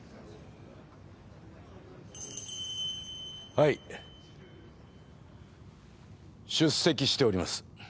はい出席しております